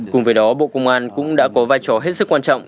cùng với đó bộ công an cũng đã có vai trò hết sức quan trọng